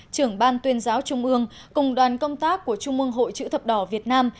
trưởng ban tuyên giáo trung ương cùng đoàn công tác của trung mương hội chữ thập đỏ việt nam